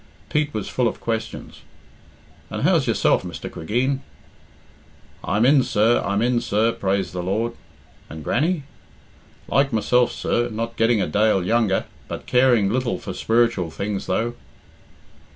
Pete was full of questions. "And how's yourself, Mr. Cregeen?" "I'm in, sir, I'm in, sir, praise the Lord." "And Grannie?" "Like myself, sir, not getting a dale younger, but caring little for spiritual things, though."